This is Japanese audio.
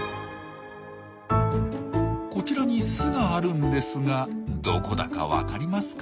こちらに巣があるんですがどこだか分かりますか？